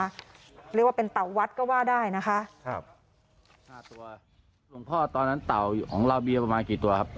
เรียกว่าเป็นเต่าวัดก็ว่าได้นะคะครับห้าตัวหลวงพ่อตอนนั้นเต่าของเราเบียประมาณกี่ตัวครับ